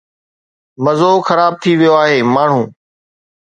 مزو خراب ٿي ويو آهي، ماڻهو